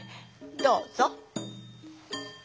どうぞ！